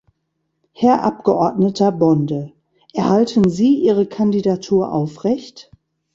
Herr Abgeordneter Bonde, erhalten Sie Ihre Kandidatur aufrecht?